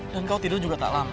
dan kau tidur juga tak lama